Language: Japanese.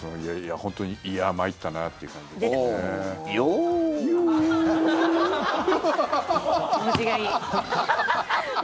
本当に、いや参ったなという感じですね。